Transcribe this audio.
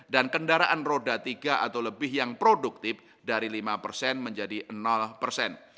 dan kendaraan roda tiga atau lebih yang produktif dari lima persen menjadi persen